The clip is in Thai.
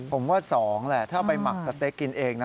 ผมว่า๒แหละถ้าไปหมักสเต๊กกินเองนะ